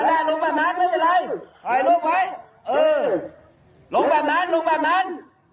ลงแบบนั้นลงแบบนั้น